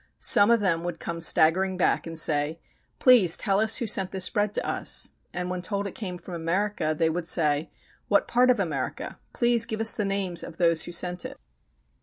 Some of them would come staggering back and say: "Please tell us who sent this bread to us?" And when told it came from America, they would say: "What part of America? Please give us the names of those who sent it."